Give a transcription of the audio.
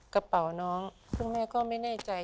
กระเป๋าน้องคุณแม่ก็ไม่แน่ใจ